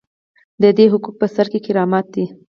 د دې حقوقو په سر کې کرامت دی.